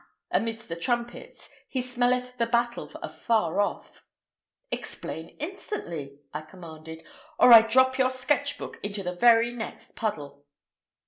amidst the trumpets; he smelleth the battle afar off." "Explain instantly," I commanded, "or I drop your sketch block into the very next puddle."